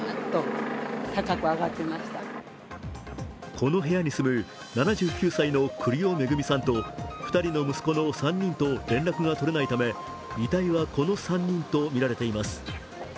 この部屋に住む７９歳の栗尾恵さんと２人の息子の３人と連絡が取れないため遺体はこの３人とみられています。